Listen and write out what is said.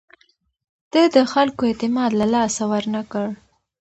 ده د خلکو اعتماد له لاسه ورنه کړ.